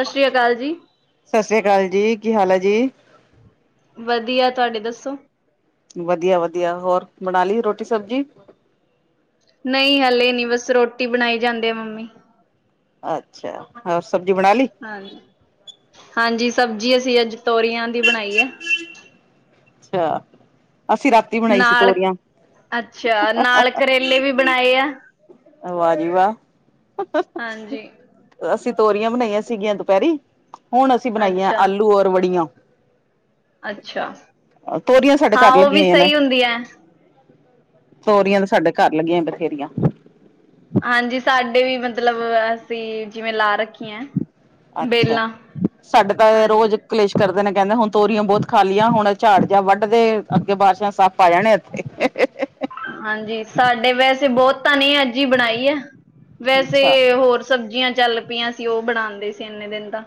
ਸਤਿ ਸ਼੍ਰੀ ਅਕਾਲ ਜੀ। ਸਤਿ ਸ੍ਰੀ ਅਕਾਲ ਜੀ, ਕੀ ਹਾਲ ਹੈ ਜੀ? ਵਧੀਆ, ਤੁਹਾਡੇ ਦੱਸੋ? ਵਧੀਆ-ਵਧੀਆ ਹੋਰ ਬਣਾ ਲਈ ਰੋਟੀ ਸਬਜ਼ੀ? ਨਹੀਂ ਹਲੇ ਨੀ, ਬਸ ਰੋਟੀ ਬਣਾਈ ਜਾਂਦੇ ਆ ਮੰਮੀ। ਅੱਛਾ, ਹੋਰ ਸਬਜ਼ੀ ਬਣਾ ਲਈ? ਹਾਂ ਹਾਂਜੀ ਸਬਜ਼ੀ ਅਸੀਂ ਅੱਜ ਤੋਰੀਆਂ ਦੀ ਬਣਾਈ ਹੈ। ਅੱਛਾ ਅਸੀਂ ਰਾਤ ਨਾਲ ਅੱਛਾ, ਨਾਲ ਕਰੇਲੇ ਵੀ ਬਣਾਏ ਆ। ਵਾਹ ਬੀ ਵਾਹ, ਹਾਂਜੀ ਅਸੀਂ ਤੋਰੀਆਂ ਬਣਾਈਆਂ ਸੀਗੀਆਂ ਦੁਪਹਿਰੀ, ਹੁਣ ਅਸੀਂ ਬਣਾਈਆਂ ਅੱਛਾ। ਆਲੂ ਔਰ ਵੜੀਆਂ। ਅੱਛਾ, ਤੋਰੀਆਂ ਸਾਡੇ ਹਾਂ ਘਰ ਉਹ ਲੱਗੀਆਂ ਵੀ ਹੋਈਆਂ ਨੇ। ਸਹੀ ਹੁੰਦੀਆਂ। ਤੋਰੀਆਂ ਤੇ ਸਾਡੇ ਘਰ ਲੱਗੀਆਂ ਬਥੇਰੀਆਂ। ਹਾਂਜੀ, ਸਾਡੇ ਵੀ ਮਤਲਬ ਅਸੀਂ ਜਿਵੇਂ ਲਾ ਰੱਖ- ਅੱਛਾ ਸਾਡੇ ਤਾਂ ਰੋਜ ਹਾਂਜੀ। ਕਲੇਸ਼ ਹਸਬੈਂਡ ਕਹਿੰਦੇ ਹੁਣ ਤੋਰੀਆਂ ਬੋਤ ਖਾਲੀਆਂ ਹੁਣ ਝਾੜ ਜਿਹਾ ਵੱਢਦੇ ਅੱਗੇ ਬਾਰਿਸ਼ਾਂ 'ਚ ਸੱਪ ਆ ਜਾਣੇ ਇੱਥੇ। ਹਾਂਜੀ, ਸਾਡੇ ਵੈਸੇ ਬੋਹਤਾ ਨੀ ਅੱਜ ਹੀ ਬਣਾਈ ਹੈ, ਵੈਸੇ ਅੱਛਾ ਹੋਰ ਸਬਜ਼ੀਆਂ ਚੱਲ ਪਈਆਂ ਸੀ ਉਹ ਬਣਾਉਂਦੇ ਸੀ, ਇੰਨੇ ਦਿਨ ਤਾਂ।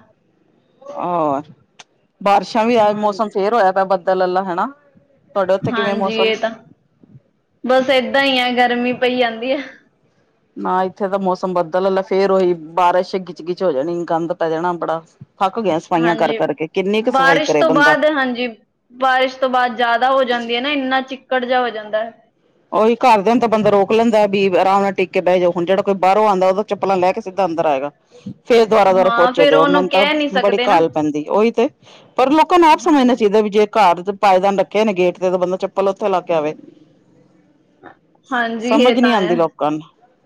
ਆ ਹਾ ਬਾਰਸ਼ਾਂ ਵੀ ਆਜ ਹਾਂਜੀ। ਮੌਸਮ ਫੇਰ ਹੋਇਆ ਪਿਆ ਬੱਦਲ ਅਲਾ ਹੈਨਾ। ਤੋਡੇ ਓਥੇ ਕਿਵੇਂ ਹਾਂਜੀ ਮੌਸਮ? ਇਹ ਤਾਂ ਬਸ ਏਦਾਂ ਈ ਆ ਗਰਮੀ ਪਈ ਜਾਂਦੀ ਆ। ਨਾ ਈਥੇ ਤਾਂ ਮੌਸਮ ਬੱਦਲ ਆਲਾ ਫੇਰ ਓਈ ਬਾਰਿਸ਼ ਗਿਚ-ਗਿਚ ਹੋ ਜਾਣੀ ਗੰਦ ਪੈ ਜਾਣਾ ਬੜਾ। ਥੱਕ ਗੇਆ ਸਫਾਈਆਂ ਹਾਂਜੀ। ਕਰ-ਕਰ ਕਰਕੇ ਕਿਨੀ ਕ ਸਫ਼ਾਈ ਬਾਰਿਸ਼ ਕਰੇ ਤੋਂ ਬੰਦਾ। ਬਾਅਦ ਹਾਂਜੀ, ਬਾਰਿਸ਼ ਤੋਂ ਬਾਦ ਜਾਦਾ ਹੋ ਜਾਂਦੀ ਹੈ ਨਾ ਈਨਾ ਚਿੱਕੜ ਜਾ ਹੋ ਜਾਂਦਾ ਐ। ਓਈ ਘਰ ਦੇਆਂ ਨੂੰ ਤਾਂ ਬੰਦਾ ਰੋਕ ਲੈਂਦਾ ਵੀ ਆਰਾਮ ਨਾਲ ਟੀ ਕੇ ਬੈ ਜੋ ਹੁਨ ਜੇ ੜਾ ਕੋਈ ਬਾਰੋਂ ਆਂਦਾ ਓ ਤਾਂ ਚੱਪਲਾਂ ਲੈ ਕੇ ਸਿਧਾ ਅੰਦਰ ਆਏਗਾ। ਫੇਰ ਦੁਆਰਾ-ਦੁਆਰਾ ਹਾਂ ਪੋਚੇ ਫੇਰ ਦੇਓ ਉਹਨੂੰ ਮੈਨ ਤਾਂ ਕਹਿ ਨਹੀਂ ਬੜੀ ਸਕਦੇ ਨਾ। ਘਾਲ ਪੈਂਦੀ ਓਈ ਤੇ। ਪਰ ਲੋਕਾਂ ਨੂੰ ਆਪ ਸਮਝਣਾ ਹਾਂਜੀ। ਚਾਈਦਾ ਵੀ, ਜੇ ਘਰ ਪਾਏਦਾਨ ਰੱਖੇ ਨੇ ਗੇਟ ਤੇ ਤਾਂ ਬੰਦਾ ਚੱਪਲ ਓਥੇ ਲਾ ਕੇ ਆਵੇ। ਸ ਹਾਂਜੀ ਸਮਝ ਇਹ ਤਾਂ ਨੀ ਹੈ ਆਦੀ ਲੋਕਾਂ ਨੂੰ,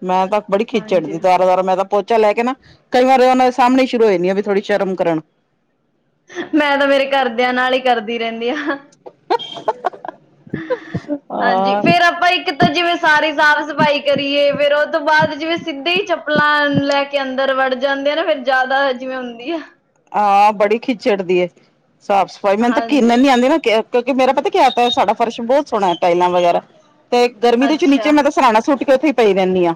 ਮੈਂ ਤਾਂ ਬੜੀ ਖੀ ਹਾਂਜੀ। ਚੜਦੀ ਦੁਆਰਾ-ਦੁਆਰਾ ਮੈਂ ਤਾਂ ਪੋਚਾ ਲੈ ਕੇ ਨਾ, ਕਈ ਵਾਰ ਓਨਾਂ ਦੇ ਸਾਮਣੇ ਸ਼ੁਰੂ ਹੋ ਜਾਂਨੀ ਆ ਵੀ ਥੋੜੀ ਸ਼ਰਮ ਕਰਨ। ਮੈਂ ਤਾਂ ਮੇਰੇ ਘਰਦੇਆਂ ਨਾਲ ਈ ਕਰਦੀ ਰੈਦੀ ਹਾ। [inaudible] [inaudible] ਹਾਂਜੀ, ਹਾਂ ਫੇਰ ਆਪਾਂ ਇਕ ਤਾਂ ਜਿਵੇਂ ਸਾਰੀ ਸਾਫ-ਸਫਾਈ ਕਰੀਏ ਫੇਰ ਓਤੋਂ ਬਾਦ ਜਿਵੇਂ ਸਿਧੇ ਈ ਚੱਪਲਾਂ, ਲੈ ਕੇ ਕੇ ਅੰਦਰ ਵੜ ਜਾਂਦੇ ਆ ਨਾ ਫੇਰ ਜਾਦਾ ਜਿਵੇਂ ਹੁੰਦੀ ਆ। ਹਾਂ, ਬੜੀ ਖੀ ਚੜਦੀ ਏ, ਸਾਫ਼ ਸਫ਼ਾਈ, ਮੇਨੂੰ ਤਾਂ ਘਿਣ ਹਾਂਜੀ ਐਨੀ ਆਦੀ ਨਾ ਕੈ ਕਿਉਂਕਿ ਮੇਰਾ ਪਤਾ ਕੇਆ ਆਤਾ ਐ, ਸਾਡਾ ਫਰਸ਼ ਬੋ ਸੋਣਾ ਆਂ ਟਾਈਲਾਂ ਵਗੈਰਾ ਤੇ ਗਰਮੀ ਦੇ ਵੀਚ ਨੀਚੇ ਅੱਛਾ ਮੈਂ ਤਾਂ ਸਰਾਣਾ ਸੁੱਟ ਕੇ ਓਥੇ ਈ ਪਈ ਰੈਂਨੀ ਆਂ।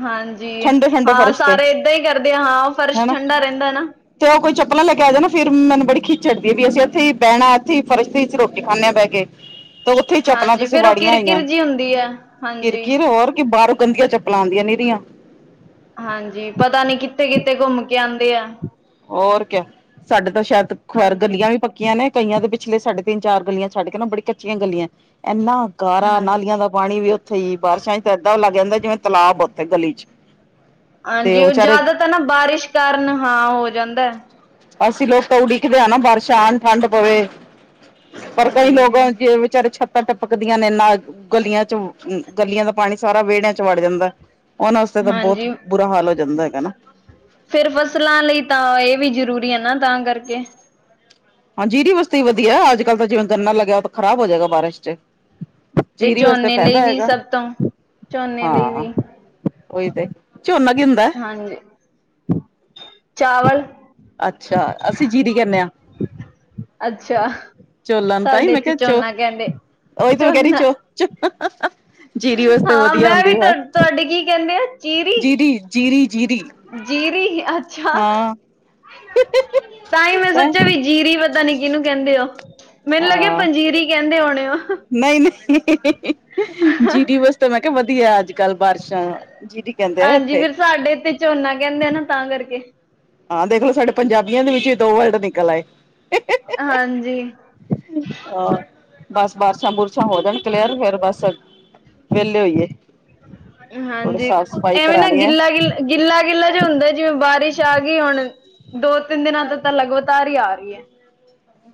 ਹਾਂਜੀ, ਹਾਂ ਸਾਰੇ ਏਦਾਂ ਈ ਕਰਦੇ ਆ ਹਾਂ ਫਰਸ਼ ਹਨਾ ਠੰਡਾ ਰੈਂਦਾ ਨਾ। ਤੇ ਓ ਕੋਈ ਚੱਪਲਾ ਲੈ ਆ ਜਾ ਨਾ ਫੇਰ ਮੈਨੂੰ ਬੜੀ ਖਿੱਚ ਚੜਦੀ ਵੀ ਅਸੀਂ ਏਥੇ ਈ ਬੈਣਾ ਏਥੇ ਈ ਫਰਸ਼ ਦੀ ਈਚ ਰੋਟੀ ਖਾਂਦੇ ਆਂ ਬੈ ਕੇ। ਤੇ ਓਥੇ ਈ ਚੱਪਲਾਂ ਹਾਂਜੀ ਤੁਸੀਂ ਫੇਰ ਉਹ ਵਾੜੀਆਂ ਕਿਰ ਹੋਂਈਆਂ, ਕਿਰ ਜੀ ਹੁੰਦੀ ਆ ਹਾਂਜੀ ਕਿਰ-ਕਿਰ ਹੋਰ ਕੀ ਬਾਰੋਂ ਗੰਦੀਆਂ ਚੱ ਪਲਾਂ ਆਂਦੀਆਂ ਨੀਆਂ। ਹਾਂਜੀ, ਪਤਾ ਨੀ ਕਿਤੇ-ਕਿਤੇ ਘੁੰਮ ਕੇ ਆਂਦੇ ਆ। ਔਰ ਕੇਆ, ਸਾਡੇ ਤਾਂ ਸੈ਼ਦ, ਖੁਆਰ ਹਾਂਜੀ ਗਲੀਆਂ ਵੀ ਪ ਕੇਆਂ ਨੇ ਕਈਆਂ ਦੇ ਪਿਛਲੇ ਸਾਡੇ ਤਿਨ-ਚਾਰ ਗਲੀਆਂ ਛੱਡ ਕੇ ਨਾ ਬੜੀ ਕੱਚੀਆਂ ਗਲੀਆਂ, ਐਨਾ ਗਾਰਾ ਹਾਂਜੀ ਨਾਲੀਆਂ ਦਾ ਪਾਣੀ ਵੀ ਓਥੇ ਈ ਬਾਰਸ਼ਾਂ ਚ ਏਦਾਂ ਲੱਗ ਜਾਂਦਾ, ਜਿਵੇਂ ਤਲਾਬ ਆ ਓਥੇ ਗਲੀ ਚ ਤੇ ਹਾਂਜੀ, ਉਹ ਓ ਵਿਚਾਰੇ ਜਾਦਾ ਤਾਂ ਨਾ ਬਾਰਿਸ਼ ਕਾਰਨ ਹਾਂ ਹੋ ਜਾਂਦੈ। ਅਸੀਂ ਲੋਕ ਤਾਂ ਉਡੀਕਦੇ ਆਂ ਨਾਂ ਬਾਰਸਾ਼ ਆਣ ਠੰਡ ਪਵੇ। ਪਰ ਕਈ ਲੋਕ ਹਾਂਜੀ ਜੇ ਵਿਚਾਰੇ ਛੱ ਤਾਂ ਟੱਪਕਦੀਆਂ ਨੇ ਨਾ ਗਲੀਆਂ ਚ, ਉ ਗਲੀਆਂ ਦਾ ਪਾਣੀ ਸਾਰਾ ਵੇੜੇਆਂ ਚ ਵੜ ਜਾਂਦਾ। ਓਨਾਂ ਵਾਸਤੇ ਤਾਂ ਬੋਤ ਹਾਂਜੀ ਬੁਰਾ ਹਾਲ ਹੋ ਜਾਂਦਾ ਹੈਗਾ ਨਾ। ਫਿਰ ਬਸ ਲਾਂ ਲਈ ਤਾਂ ਏ ਵੀ ਜ਼ਰੂਰੀ ਆ ਨਾ ਤਾਂ ਕਰਕੇ। ਹਾਂ, ਜਿਦੇ ਵਸਤੇ ਵਦੀਆ ਅੱਜ-ਕੱਲ ਤਾਂ ਜਿਵੇਂ ਗੰਨਾ ਲੱਗੇਆ ਓ ਤਾਂ ਖ਼ਰਾਬ ਹੋ ਜੇਗਾ ਬਾਰਿਸ਼ ਚ। ਤੇ ਜੀਰੀ ਵਾਸਤੇ ਝੋਨੇ ਫੈਦਾ ਲਈ ਵੀ ਹੈਗਾ, ਸਭ ਤੋਂ ਝੋਨੇ ਲਈ ਹਾਂ। ਵੀ ਐਈ ਤੇ, ਝੋਨਾ ਕੀ ਹੁੰਦੈ? ਹਾਂਜੀ। ਚਾਵਲ ਅੱਛਾ, ਅਸੀਂ ਜੀਰੀ ਕੈਨੇ ਆ। ਅੱਛਾ। ਓਹੀ ਤਾ ਸਾਡੇ ਇੱਥੇ ਝੋਨਾ ਕਹਿੰਦੇ ਮੈਂ ਕੈ ਰਈ ਝੋਨਾ ਝੋ, ਝੋ ਹਾਂ, ਮੈਂ ਵੀ ਤੁ ਤੁਆਡੀ ਕੀ ਕੈਂਦੇ ਆ ਚੀਰੀ ਜੀਰੀ ਜੀਰੀ ਜੀਰੀ ਜੀਰੀ, ਅੱਛਾ। ਹਾਂ ਤਾਂ ਈ ਮੈਂ ਸੋਚੇਆ ਵੀ ਜੀਰੀ ਪਤਾ ਨੀ ਕੀਨੂੰ ਕੈਦੇ ਓ। ਮੇਨੂੰ ਲੱਗੇਆ ਪੰਜੀਰੀ ਕੈਂਦੇ ਹੋਣੇ ਓ। ਨਈ-ਨਈ ਜੀਰੀ ਵਸਤੇ ਮੈਂ ਕੇਆ ਵਦੀਆ ਅੱਜ ਕੱਲ ਬਾਰਿਸ਼ਾਂ, ਜੀਰੀ ਕੈਂਦੇ ਆ ਇੱਥੇ। ਤੁਆਡੇ ਤੇ ਝੋਨਾ ਕੈਂਦੇ ਆ ਨਾ ਤਾਂ ਕਰਕੇ। ਹਾਂ, ਦੇਖਲੋ ਸਾਡੇ ਪੰਜਾਬੀਆਂ ਦੇ ਵਿੱਚ ਹੀ ਦੋ ਵਰਲਡ ਨਿਕਲ ਆਏ। ਹਾਂਜੀ। ਹਾਂ, ਬਸ ਬਾਰਸ਼ਾਂ-ਬੁਰਸ਼ਾਂ ਹੋ ਜਾਣ ਕਲੀਅਰ, ਫੇਰ ਬਸ ਵੇਲੇ ਹੋਈਏ। ਥੋੜੀ ਹਾਂਜੀ, ਸਾਫ਼ ਸਫ਼ਾਈ ਐਵੇਂ ਨਾ ਕਰਾਣੀ ਹੈ ਗਿੱਲਾ-ਗਿੱਲਾ ਗਿੱਲਾ-ਗਿੱਲਾ ਜਾ ਹੁੰਦਾ, ਜਿਵੇਂ ਬਾਰਿਸ਼ ਆਗੀ ਹੁਣ। ਦੋ-ਤਿੰਨ ਦਿਨਾਂ ਤੋਂ ਤਾਂ ਲਗਾਤਾਰ ਈ ਆ ਰੀਏ।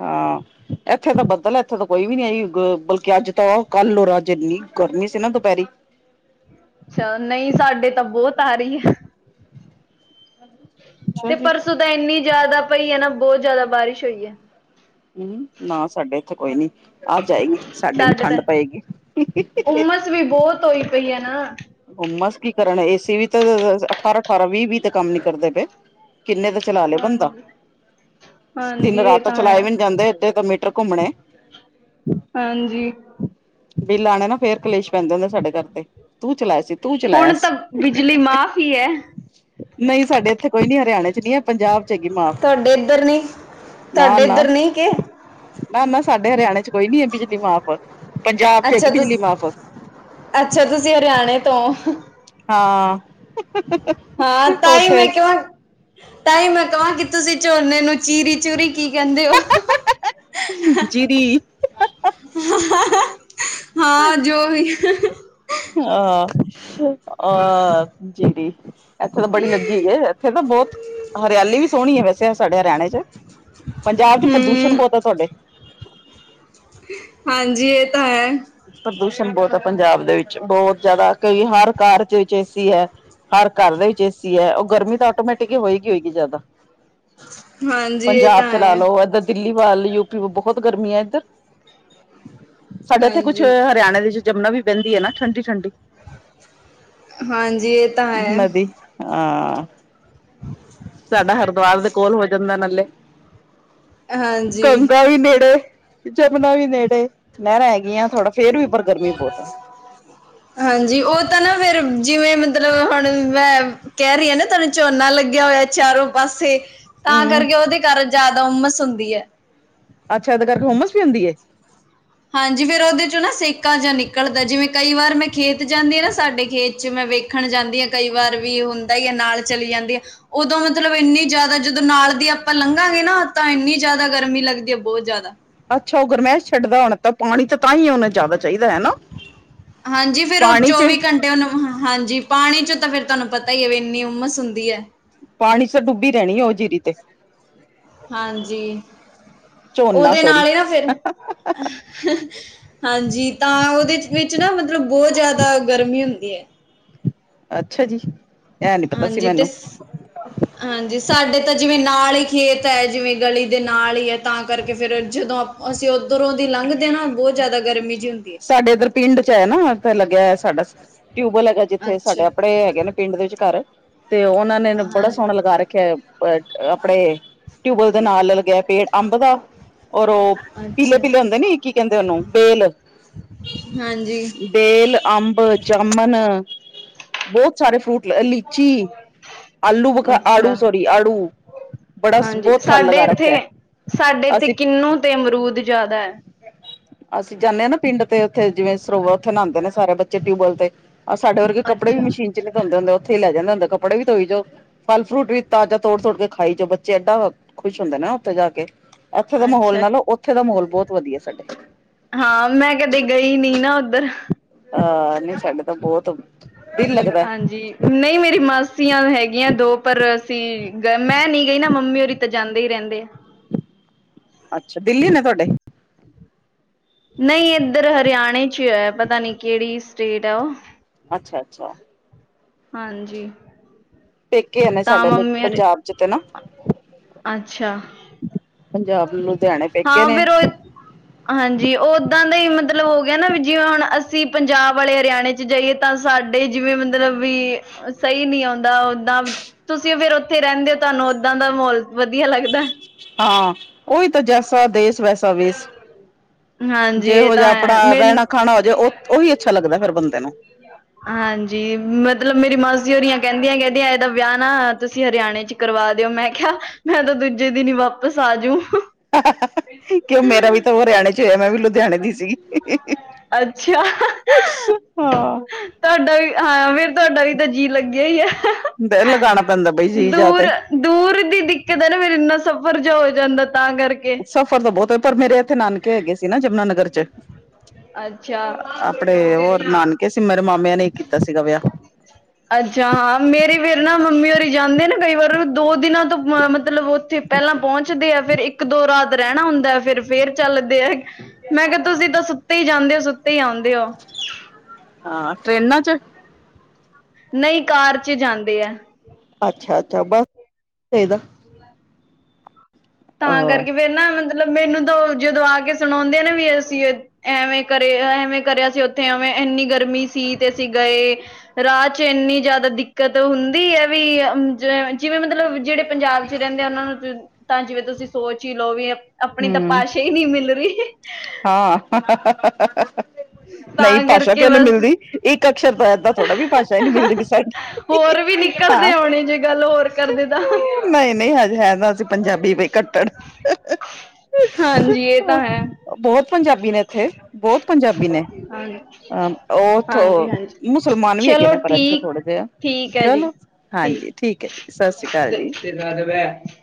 ਹਾਂ, ਏਥੇ ਤਾਂ ਬੱਦਲ ਏਥੇ ਤਾਂ ਕੋਈ ਵੀ ਨੀ ਆਈ, ਬਲਕਿ ਅੱਜ ਤਾਂ ਓ ਕੱਲ ਰੱਜ ਏਨੀ ਗਰਮੀ ਸੀ ਨਾ ਦੁਪੈਰੀ‌। ਅੱਛਾ, ਨਈਂ ਸਾਡੇ ਤਾਂ ਬੋਤ ਆ ਰੀਏ। ਅੱਛਾ ਤੇ ਜੀ ਪਰਸੋਂ ਤਾਂ ਏਨੀ ਜਾਦਾ ਪਈ ਐ ਨਾ ਬੋਤ ਜਾਦਾ ਬਾਰਿਸ਼ ਹੋਈਐ। ਹੂੰ, ਨਾ ਸਾਡੇ ਏਥੇ ਕੋਈ ਨੀ ਅੱਜ ਆਏਗੀ, ਸਾਡੇ ਵੀ ਠੰਡ ਪਏਗੀ। ਗਰਮੀ ਬੋਤ ਹੋਈ ਪਈ ਏਨਾ। ਹੁਮੱਸ ਕੀ ਕਰਨ ਏਸੀ ਵੀ ਤਾਂ ਅਅ ਅਠਾਰਾਂ-ਅਠਾਰਾਂ, ਵੀਹ- ਵੀਹ ਤੇ ਕੰਮ ਨੀ ਕਰਦੇ ਪਏ। ਕਿੰਨੇ ਦੇ ਚਲਾ ਲਏ ਬੰਦਾ। ਹਾਂਜੀ ਹਾਂਜੀ ਇਹ ਦਿਨ-ਰਾਤ ਤਾਂ ਹੈ ਚਲਾਏ ਵੀ ਨਈਂ ਜਾਂਦੇ ਏਦੇ ਤਾਂ ਮੀ ਟਰ ਘੁੰਮਣੇ। ਹਾਂਜੀ। ਬਿੱਲ ਆਣੇ ਨਾ, ਫੇਰ ਕਲੇਸ਼ ਪੈਂਦਾ ਹੁੰਦੇ ਨੇ ਸਾਡੇ ਘਰ ਤੇ। ਤੂੰ ਚਲਾਇਆ ਸੀ, ਤੂੰ ਚਲਾਇਆ ਹੁਣ ਤਾਂ ਸੀ। ਬਿਜਲੀ ਮਾਫ਼ ਹੀ ਹੈ ਨਈਂ ਸਾਡੇ ਇੱਥੇ ਕੋਈ ਨੀ, ਹਰਿਆਣੇ 'ਚ ਨੀਂ ਐ। ਪੰਜਾਬ 'ਚ ਹੈਗੀ ਮਾਫ, ਤੁਹਾਡੇ ਇੱਧਰ ਨਹੀਂ ਤੁਹਾਡੇ ਨਾ-ਨਾ। ਇੱਧਰ ਨਹੀਂ ਕਿ ਨਾ-ਨਾ, ਸਾਡੇ ਹਰਿਆਣੇ 'ਚ ਕੋਈ ਨੀ ਐ ਬਿਜਲੀ ਮਾਫ, ਪੰਜਾਬ 'ਚ ਹੈਗੀ ਅੱਛਾ ਤੁ ਬਿਜਲੀ ਮਾਫ। ਅੱਛਾ, ਤੁਸੀਂ ਹਰਿਆਣੇ ਤੋ ਓ। ਹਾਂ। ਹਾਂ, ਤਾਂਈ ਮੈਂ ਉੱਥੇ ਕਵਾਂ ਤਾਂ ਹੀ ਮੈਂ ਕਵਾਂ ਕਿ ਤੁਸੀਂ ਝੋਨੇ ਨੂੰ ਚੀਰੀ-ਚੂਰੀ ਕੀ ਕੈਂਦੇ ਓ? ਜੀਰੀ। [unintelligible] ਹਾਂ ਜੋ ਵੀ [unintelligible] ਆਹ [unintelligible] ਆਹ ਜੇੜੀ ਏਥੇ ਤਾਂ ਬੜੀ ਲੱਗੀ ਹੋਈਏ, ਏਥੇ ਤਾਂ ਬੋਤ ਹਰਿਆਲੀ ਵੀ ਸੋਣੀ ਆ ਵੈਸੇ ਸਾਡੇ ਹਰਿਆਣੇ ਚ। ਪੰਜਾਬ ਚ ਪ੍ਰਦੂਸ਼ਣ ਹੂੰ ਬੋਤ ਐ ਤੁਆਡੇ। ਹਾਂਜੀ, ਏ ਤਾਂ ਹੈ। ਪ੍ਰਦੂਸ਼ਣ ਬੋਤ ਐ ਪੰਜਾਬ ਦੇ ਵਿੱਚ, ਬੋਤ ਜਾਦਾ ਕਈ ਹਰ ਘਰ ਚ ਵਿੱਚ ਏਸੀ ਹੈ। ਹਰ ਘਰ ਦੇ ਵਿੱਚ ਏਸੀ ਐ, ਓ ਗਰਮੀ ਤਾਂ ਆਟੋਮੈਟਿਕ ਹੀ ਹੋਏਗੀ ਹੋਏਗੀ ਜਾਦਾ ਹਾਂਜੀ ਇਹ ਪੰਜਾਬ ਤਾਂ ਚ ਹੈ ਲਾਲੋ, ਏਧਰ ਦਿੱਲੀ ਵੱਲ ਯੂਪੀ ਵ ਬਹੋਤ ਗਰਮੀ ਐ, ਸਾਡੇ ਏਧਰ ਸਾਡਾ ਏਦੇ ਕੁਝ ਹਾਂਜੀ ਹਰਿਆਣੇ ਦੇ ਵਿੱਚ ਜਮਨਾ ਵੀ ਬੈਂਦੀ ਏਨਾ, ਠੰਡੀ- ਠੰਡੀ। ਹਾਂਜੀ ਇਹ ਤਾਂ ਹੈ ਨਦੀ, ਹਾਂ ਸਾਡਾ ਹਰਿਦੁਵਾਰ ਦੀ ਕੋਲ ਹੋਏ ਜਮਨਾ ਨਾਲੇ ਹਾਂਜੀ ਗੰਗਾਂ ਵੀ ਨੇੜੇ ਜਮਨਾ ਵੀ ਨੇੜੇ, ਨੈਰਾਂ ਹੈਗੀਆਂ ਥੋੜ੍ਹਾ ਫੇਰ ਵੀ ਪਰ ਗਰਮੀ ਬੋਤ ਆ। ਹਾਂਜੀ, ਓ ਤਾਂ ਨਾ ਫੇਰ ਜਿਵੇਂ ਮਤਲਬ ਹੁਣ ਵੀ ਮੈਂ ਕੈ ਰੀ ਆ ਨਾ ਤੁਆਨੂੰ ਝੋਨਾ ਲੱਗੇਆ ਹੋਯਾ ਚਾਰੋਂ ਪਾਸੇ ਤਾਂ ਹਮ ਕਰਕੇ ਉਹਦੇ ਕਾਰਨ ਜਾਦਾ ਉਮਸ ਹੁੰਦੀ ਐ। ਅੱਛਾ। ਇਦੇ ਕਰਕੇ ਹੋਮਸ ਵੀ ਹੁੰਦੀ ਏ। ਹਾਂਜੀ ਫੇਰ ਉਹਦੇ ਚੋਂ ਨਾ ਸੇਕਾ ਜੇਹਾ ਨਿਕਲਦੈ ਜਿਵੇਂ ਕਈ ਵਾਰ ਮੈਂ ਖੇਤ ਜਾਂਦੀ ਆ ਨਾ ਸਾਡੇ ਖੇਤ ਚ ਮੈਂ ਵੇਖ ਦੇਖਣ ਜਾਂਦੀ ਐ ਕਈ ਵਾਰ ਵੀ ਹੁੰਦਾ ਈਐ ਨਾਲ ਚਲੀ ਜਾਂਦੀ ਐ ਉਦੋਂ ਮਤਲਬ ਇੰਨੀ ਜਾਦਾ ਜਦੋਂ ਨਾਲ ਦੀ ਆਪਾਂ ਲੰਘਾਂਗੇ ਨਾ ਤਾਂ ਇੰਨੀ ਜਾਦਾ ਗਰਮੀ ਲੱਗਦੀ ਆ ਬੋਤ ਜਾਦਾ। ਅੱਛਾ। ਉਹ ਗਰਮੈਸ ਛੱਡਦਾ ਹੋਣਾ ਤਾਂ ਪਾਣੀ ਤੇ ਤਾਂ ਈ ਉਨੂੰ ਜਾਦਾ ਚਾਹੀਦੈ ਹਨਾ? ਹਾਂ ਜੀ, ਫਿਰ ਉਹ ਚੌਵੀ ਘੰਟ ਤੇ ਉਨੂੰ ਹ ਹਾਂਜੀ ਪਾਣੀ ਚ ਤਾਂ ਫਿਰ ਤਵਾਨੂੰ ਪਤਾ ਈ ਐ ਵੀ ਇੰਨੀ ਉਮਸ ਹੁੰਦੀ ਐ। ਪਾਣੀ ਚ ਡੁੱਬੀ ਰਹਣੀ ਏ ਉਹ ਜੀਰੀ ਤੇ ਹਾਂਜੀ। ਝੋਨਾ ਔਦੇ ਸੋਰੀ ਨਾਲ ਈ ਨਾ ਫੇਰ ਹਾਂਜੀ, ਤਾਂ ਉਦੇ ਚ ਵਿੱਚ ਨਾ ਮਤਲਬ ਬੋਹ ਜਾਦਾ ਗਰਮੀ ਹੁੰਦੀ ਐ। ਅੱਛਾ ਜੀ। ਇਹ ਨੀ ਪਤਾ ਸੀ ਹਾਂਜੀ। ਤੇ ਮੈਨੂੰ ਸ ਹਾਂਜੀ। ਸਾਡੇ ਤਾਂ ਜਿਵੇਂ ਨਾਲ ਈ ਖੇਤ ਐ, ਜਿਵੇਂ ਗਲੀ ਦੇ ਨਾਲ ਹੀ ਐ, ਤਾਂ ਕਰਕੇ ਫਿਰ ਜਦੋਂ ਅਸੀ ਔਧਰੋਂ ਦੀ ਲੰਘਦੇ ਆ ਨਾ ਬਹੁਤ ਜਾਦਾ ਗਰਮੀ ਜਿ ਹੁੰਦੀ ਏ। ਸਾਡੇ ਇੱਧਰ ਪਿੰਡ ਚ ਐ ਨਾ ਤਾਂ ਲੱਗਆ ਸਾਡਾ ਟਊਬਵੈਲ ਹੈਗਾ ਹੈ ਜਿੱਥੇ ਅੱਛਾ ਸਾਡਾ, ਆਪੜੇ ਹੈਗੇ ਨੇ ਪਿੰਡ ਦੇ ਵਿਚ ਘਰ ਤੇ ਉਹਨਾਂ ਨੇ ਨ ਬੜਾ ਹਾਂ ਸੋਹਣਾ ਲੱਗਾ ਰੱਖਿਐ ਪ ਆਪਣੇ ਟਊਬਵਲ ਦੇ ਨਾਲ ਲੱਗਿਆ ਪੇੜ ਅੰਬ ਦਾ ਔਰ ਉਹ ਅੱਛਾ। ਕਿ ਲਯਾਂਦੇ ਨੀ ਕੀ ਕਹੰਦੇ ਉਨੂੰ ਬੇਲ। [unintelligible] ਹਾਂਜੀ ਬੇਲ, ਅੰਬ, ਜਾਮਣ ਬਹੁਤ ਸਾਰੇ ਫਰੂਟ ਅ ਲੀਚੀ, ਆਲੂ ਬੁਖ, ਆੜੂ ਅੱਛਾ ਸੋਰੀ ਆੜੂ। ਬੜਾ ਹਾਂਜੀ। ਬਹੁਤ ਫਲ ਸਾਡੇ ਲਗਾ ਰੱਖਿਆ ਇੱਥੇ- ਸਾਡੇ ਇੱਥੇ ਕਿੰਨੂੰ ਤੇ ਅਮਰੂਦ ਜਾਦੈ। ਅਸੀ ਜਾਂਨੇ ਆ ਨਾ ਪਿੰਡ ਤੇ ਉਥੇ ਜਿਵੇਂ ਸਰੋਵਾ ਉਥੇ ਨਾਂਦੇ ਨੇ ਸਾਰੇ ਬੱਚੇ ਟਊਬਵਲ ਤੇ ਆ ਸਾਡੇ ਵਰਗੇ ਕੱਪੜੇ ਵੀ ਅੱਛਾ ਮਸ਼ੀਨ ਚ ਨੀ ਧੋੰਦੇ ਹੁੰਦੇ ਉਥੇ ਲੈ ਜਾਂਦੇ ਹੁੰਦੇ ਕੱਪੜੇ ਵੀ ਧੋਈ ਜਾਉ। ਫਲ- ਫਰੂਟ ਵੀ ਤਾਜ਼ਾ ਤੋੜ- ਤੋੜ ਕੇ ਖਾਈ ਜਾਉ ਬੱਚੇ ਏਡਾ ਖੁਸ਼ ਹੁੰਦੇ ਨੇ ਉਥੇ ਜਾ ਕੇ। ਏਥੇ ਦੇ ਮਹੌਲ ਅੱਛਾ ਨਾਲੋ ਔਥੇ ਦਾ ਮਹੌਲ ਹਾਂ ਮੈਂ ਕਦੀ ਗਈ ਨੀ ਨਾ ਉੱਧਰ। ਆ ਨ੍ਹੀਂ ਸਾਡੇ ਤਾਂ ਬੋਤ ਹਾਂਜੀ। ਨਈ ਮੇਰੀ ਮਾਸੀਆਂ ਹੈਗੀਆਂ ਦੋ ਪਰ ਅਸੀ ਗ ਮੈਂ ਨੀ ਗਈ ਨਾ ਮੰਮੀ ਹੋਰੀ ਤੇ ਜਾਂਦੇ ਈ ਰੈਂਦੇ ਆ। ਅੱਛਾ। ਦਿੱਲੀ ਨੇ ਤੁਵਾਡੇ? [inaudible] ਨਈ ਏਧਰ ਹਰਿਆਣੇ ਚੀ ਏ ਪਤਾ ਨੀ ਕੇਹੜੀ ਸਟੇਟ ਏ ਉਹ? ਅੱਛਾ-ਅੱਛਾ। ਹਾਂਜੀ। ਪੇਕੇ ਨੇ ਤਾਂ ਸਾਡੇ ਮੰਮੀ ਔਰੀ, ਪੰਜਾਬ ਚ ਤੇ ਨਾ ਅੱਛਾ। ਪੰਜਾਬ ਲੁਧਿਆਣੇ ਪੇਕੇ ਹਾਂ ਨੇ ਫਿਰ ਉਹੀ ਹਾਂਜੀ। ਉੱਦਾਂ ਦਾ ਈ ਮਤਲਬ ਹੋ ਗਆ ਨਾ ਵੀ ਜਿਵੇਂ ਹੁਣ ਅਸੀ ਪੰਜਾਬ ਆਲੇ ਹਰਿਆਣੇ ਚ ਜਾੲਯੇ ਤਾਂ ਸਾਡੇ ਜਿਵੇਂ ਮਤਲਬ ਵੀ ਵਈ ਨੀ ਔਂਦਾ ਜਿ ਤੁਸੀ ਫਿਰ ਉਥੇ ਈ ਰਹੰਦੇ ਤਹਾਨੂੰ ਔਦਾਂ ਦਾ ਮਹੌਲ ਵਧੀਆ ਲੱਗਦੈ। ਹਾਂ। ਉਹੀ ਤੇ ਜੈਸਾ ਦੇਸ ਵੈਸਾ ਵੇਸ, ਹਾਂਜੀ ਇਹ ਜੇਹੋ ਤਾਂ ਜੇਹਾ ਹੈ ਆਪਣਾ ਮੈਨੂੰ ਰਹਣਾ ਖਾਣਾ ਹੋ ਜੇ ਉਹ- ਉਹੀ ਅੱਛਾ ਲੱਗਦੈ ਫੇਰ ਬੰਦੇ ਨੂੰ। ਹਾਂਜੀ ਮਤਲਬ ਮੇਰੀ ਮਾਸੀ ਹੋਰੀਆਂ ਕਹਿੰਦੀਆਂ, ਕਹਿੰਦੀਆਂ ਇਹਦਾ ਵਿਆਹ ਨਾ ਤੁਸੀਂ ਹਰਿਆਣੇ ਚ ਕਰਵਾ ਦਿਓ ਮੈਂ ਕਿਹਾ ਮੈਂ ਤਾਂ ਦੂਜੇ ਦਿਨ ਈ ਵਾਪਸ ਆਜੂ। ਕਿਉਂ ਮੇਰਾ ਵੀ ਤਾਂ ਹਰਿਆਣੇ ਚ ਹੋਇਆ ਮੈਂ ਵੀ ਲੁਧਿਆਣੇ ਦੀ ਸੀਗੀ। ਅੱਛਿਆ। ਹਾਂ। ਤੁਹਾਡਾ ਵੀ ਹਾਂ ਫੇਰ ਤੁਹਾਡਾ ਵੀ ਤਾਂ ਜੀਅ ਲੱਗਿਆ ਈ ਐ। ਦਿਲ ਲਗਾਣਾ ਪੈਂਦਾ ਬਈ ਜੀਅ ਜਾ ਤੇ ਦੂਰ ਦੀ ਦਿੱਕਤ ਏ ਨਾ ਫੇਰ ਇੰਨਾ ਸਫ਼ਰ ਜਾ ਹੋ ਜਾਂਦਾ ਤਾਂ ਕਰਕੇ। ਸਫ਼ਰ ਤਾਂ ਬਹੁਤ ਏ ਪਰ ਮੇਰੇ ਇੱਥੇ ਨਾਨਕੇ ਹੈਗੇ ਸੀ ਨਾ ਯਮਨਾਨਗਰ। ਚ, ਆਪਣੇ ਹੋਰ ਅੱਛਾ ਨਾਨਕ ਕੇ ਸੀ ਮੇਰੇ ਮਾਮਿਆਂ ਨੇ ਹੀ ਕੀਤਾ ਸੀਗਾ ਵਿਆਹ ਅੱਛਾ ਹਾਂ ਮੇਰੀ ਫੇਰ ਨਾ ਮੰਮੀ ਹੋਰੀ ਜਾਂਦੇ ਨਾ ਕਈ ਵਾਰ ਦੋ ਦਿਨਾਂ ਤੋਂ ਮ ਮਤਲਬ ਉੱਥੇ ਪੈਲਾ ਪਹੁੰਚਦੇ ਆ ਫੇਰ ਇੱਕ-ਦੋ ਰਾਤ ਰੈਣਾ ਹੁੰਦਾ ਹੈ ਫੇਰ-ਫੇਰ ਚੱਲਦੇ ਆ। ਮੈਂ ਕਿਹਾ ਤੁਸੀਂ ਤਾਂ ਸੁੱਤੇ ਈ ਜਾਂਦੇ ਓ ਸੁੱਤੇ ਈ ਆਂਦੇ ਓ। ਹਾਂ ਟਰੇਨਾਂ ਚ? ਨਈ ਕਾਰ ਚ ਈ ਜਾਂਦੇ ਐ ਅੱਛਾ-ਅੱਛਾ ਬਸ [inaudible] [inaudible] ਤਾਂ ਅ ਕਰਕੇ ਫੇਰ ਨਾ ਮਤਲਬ ਮੈਨੂੰ ਤੋ ਜਦੋਂ ਆ ਕੇ ਸੁਣੋਉਂਦੇ ਨਾ ਵੀ ਅਸੀਂ ਐਵੇਂ ਕਰੇ ਐਵੇਂ ਕਰਿਆ ਸੀ ਉੱਥੇ ਐਵੇਂ ਇੰਨੀ ਗਰਮੀ ਸੀ ਤੇ ਅਸੀਂ ਗਏ ਰਾਹ ਚ ਏਨੀ ਜ਼ਿਆਦਾ ਦਿੱਕਤ ਹੁੰਦੀ ਐ ਵੀ ਜਿਵੇਂ ਮਤਲਬ ਜੇੜੇ ਪੰਜਾਬ ਚ ਰੈਂਦੇ ਆ ਉਨਾਂ ਨੂੰ ਤ ਤਾਂ ਜਿਵੇਂ ਤੁਸੀਂ ਸੋਚ ਹੀ ਈ ਲੋ ਵੀ ਆਪਣੀ ਤਾਂ ਹੂੰ ਭਾਸਾ ਈ ਨੀ ਮਿਲ ਰੀ ਨਈ ਤਾਂ ਭਾਸ਼ਾ ਕਰਕੇ ਕਿਓ ਨੀ ਬਸ ਮਿਲਦੀ। ਇੱਕ ਅਕਸਰ ਤੋਂ ਏਦਾਂ ਥੋੜਾ ਵੀ ਭਾਸ਼ਾ ਈ ਨੀ ਮਿਲਦੀ ਪਈ ਸਾਡੀ, ਹੋਰ ਵੀ ਹਾਂ। ਨਿਕਲਦੇ [unintelligible] ਹੋਰ ਕਰ ਦੇਦਾ ਨਈ, ਨਈ ਹਜੇ ਹੈ ਤਾਂ ਅਸੀਂ ਪੰਜਾਬੀ ਵੀ ਕੱਟੜ ਹਾਂਜੀ ਏ ਤਾਂ ਹੈ। ਬਹੁਤ ਪੰਜਾਬੀ ਨੇ ਇੱਥੇ ਬਹੁਤ ਪੰਜਾਬੀ ਨੇ ਹਾਂਜੀ ਅਮ ਉਹਥੋ ਹਾਂਜੀ ਹਾਂਜੀ ਮੁਸਲਮਾਨ ਵੀ ਹੈਗੇ ਚਲੋ ਨੇ ਪਰ ਐਥੇ ਠੀਕ ਥੋੜੇ ਜੇ, ਠੀਕ ਹੈ ਜੀ ਚਲੋ ਹਾਂਜੀ ਠੀਕ ਐ ਜੀ ਸਸ ਸ੍ਰੀ ਕਾਲ ਜੀ। [unintelligible]